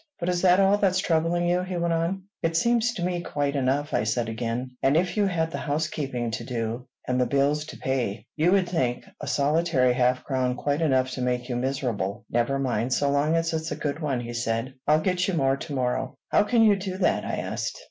But is that all that's troubling you?" he went on. "It seems to me quite enough," I said again; "and if you had the housekeeping to do, and the bills to pay, you would think a solitary half crown quite enough to make you miserable." "Never mind so long as it's a good one," he said. "I'll get you more to morrow." "How can you do that?" I asked.